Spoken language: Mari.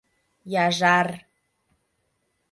— Яжар!..